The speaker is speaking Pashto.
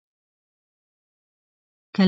کله به راشي؟